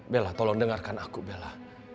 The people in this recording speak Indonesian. bella tolong dengarkan aku bella